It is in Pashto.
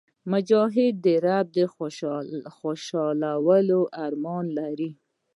مجاهد د رب د خوشحالۍ ارمان لري.